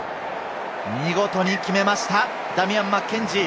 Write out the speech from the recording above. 見事に決めました、ダミアン・マッケンジー。